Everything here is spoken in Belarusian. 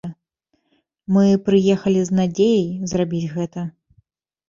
Мы прыехалі з надзеяй зрабіць гэта.